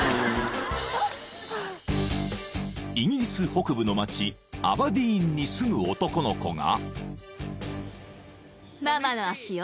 ［イギリス北部の町アバディーンに住む男の子が］